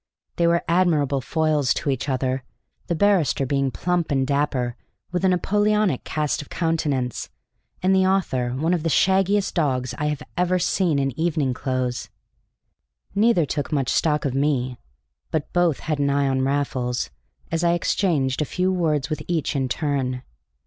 They were admirable foils to each other, the barrister being plump and dapper, with a Napoleonic cast of countenance, and the author one of the shaggiest dogs I have ever seen in evening clothes. Neither took much stock of me, but both had an eye on Raffles as I exchanged a few words with each in turn.